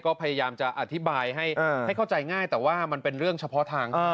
ก็พยายามจะอธิบายให้เข้าใจง่ายแต่ว่ามันเป็นเรื่องเฉพาะทาง